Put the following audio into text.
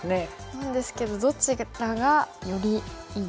なんですけどどちらがよりいいのか。